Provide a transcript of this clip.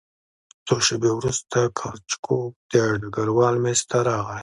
څو شېبې وروسته کروچکوف د ډګروال مېز ته راغی